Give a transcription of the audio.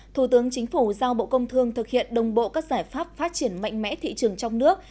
thủ tướng chính phủ giao bộ công thương thực hiện đồng bộ các giải pháp phát triển mạnh mẽ thị trường trong nước